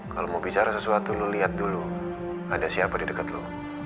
kalau mau bicara sesuatu lo lihat dulu ada siapa di dekat lo